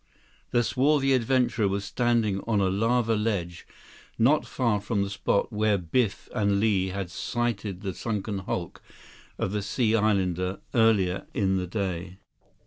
The swarthy adventurer was standing on a lava ledge not far from the spot where Biff and Li had sighted the sunken hulk of the Sea Islander earlier in the day.